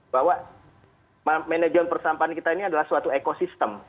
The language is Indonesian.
bahwa manajemen persampahan kita ini adalah suatu ekosistem